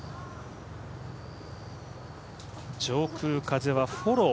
上空、風はフォロー。